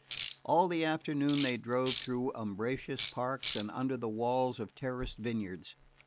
All the afternoon they drove between umbrageous parks and under the walls of terraced vineyards.